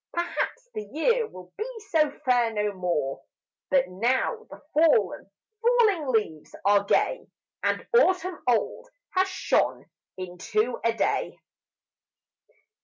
Perhaps the year will be so fair no more, But now the fallen, falling leaves are gay, And autumn old has shone into a Day!